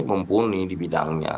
mumpuni di bidangnya